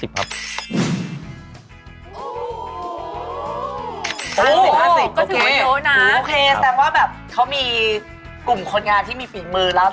ตอบว่าแบบเขามีกลุ่มคนงานที่มีฝีมือแล้ว